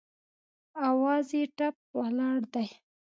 اواز یې ټپ ولاړ دی